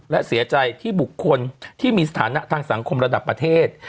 และเสียใจที่บุคคลที่มีสถานะทางสังคมระดับประเทศ